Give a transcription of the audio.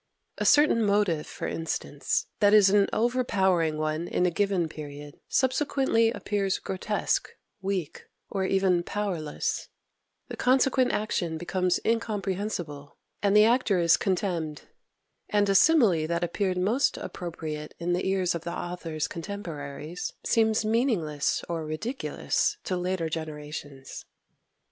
A certain motive, for instance, that is an overpowering one in a given period, subsequently appears grotesque, weak, or even powerless; the consequent action becomes incomprehensible, and the actor is contemned; and a simile that appeared most appropriate in the ears of the author's contemporaries, seems meaningless, or ridiculous, to later generations.